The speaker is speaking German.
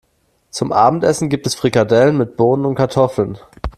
Zum Abendessen gibt es Frikadellen mit Bohnen und Kartoffeln.